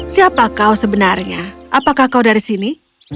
siapa kau sebenarnya apakah kau dari sini